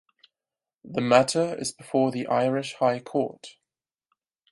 The matter is before the Irish High Court.